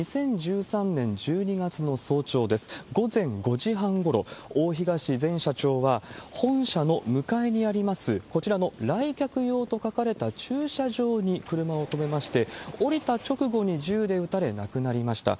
２０１３年１２月の早朝です、午前５時半ごろ、大東前社長は、本社の向かいにあります、こちらの来客用と書かれた駐車場に車を止めまして、降りた直後に銃で撃たれ亡くなりました。